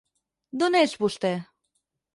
D'on és, vostè?